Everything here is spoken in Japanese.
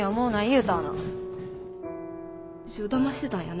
うちをだましてたんやな。